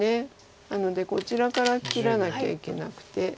なのでこちらから切らなきゃいけなくて。